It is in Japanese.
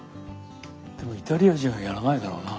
でもイタリア人はやらないだろうな。